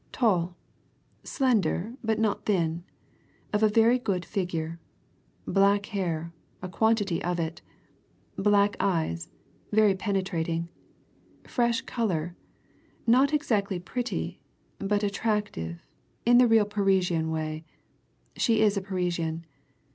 Tall. Slender but not thin. Of a very good figure. Black hair a quantity of it. Black eyes very penetrating. Fresh colour. Not exactly pretty, but attractive in the real Parisian way she is a Parisian.